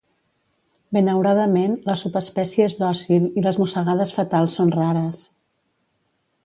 Benauradament la subespècie és dòcil i les mossegades fatals són rares.